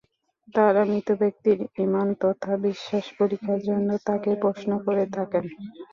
তাঁরা মৃত ব্যক্তির ঈমান তথা বিশ্বাস পরীক্ষার জন্য তাকে প্রশ্ন করে থাকেন।